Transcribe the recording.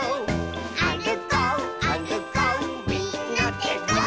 「あるこうあるこうみんなでゴー！」